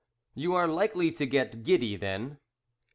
"You are likely to get giddy, then."